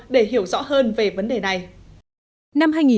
để hiểu rõ hơn về vấn đề này